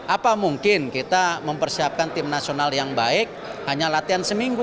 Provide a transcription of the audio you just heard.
apa mungkin kita mempersiapkan tim nasional yang baik hanya latihan seminggu